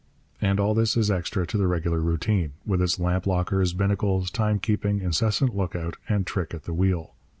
And all this is extra to the regular routine, with its lamp lockers, binnacles, timekeeping, incessant look out, and trick at the wheel.